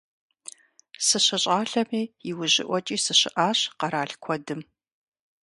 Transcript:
СыщыщӀалэми иужьыӀуэкӀи сыщыӀащ къэрал куэдым.